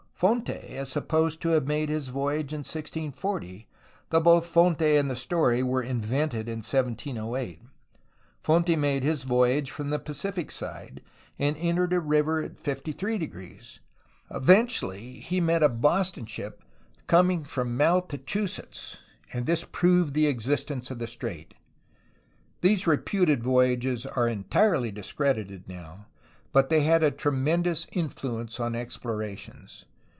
Fonte is supposed to have made his voyage in 1640, though both Fonte and the story were invented in 1708. Fonte made his voyage from the Pacific side, and entered a river in 53°. Eventually he met a ^'Boston ship" coming from ^^Maltechusets," and this proved the existence of the strait. These reputed voyages are entirely discredited now, 76 A HISTORY OF CALIFORNIA but they had a tremendous influence on explorations.